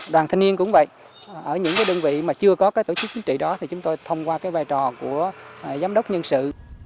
đoàn thanh niên cũng vậy ở những đơn vị mà chưa có cái tổ chức chính trị đó thì chúng tôi thông qua cái vai trò của giám đốc nhân sự